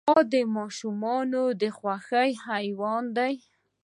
غوا د ماشومانو د خوښې حیوان دی.